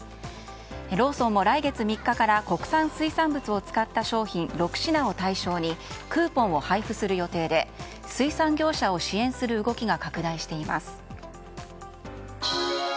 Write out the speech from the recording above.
ローソンも来月３日から国産水産物を使った商品６品を対象にクーポンを配布する予定で水産業者を支援する動きが拡大しています。